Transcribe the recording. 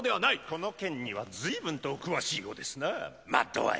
この件には随分とお詳しいようですなマッド−アイ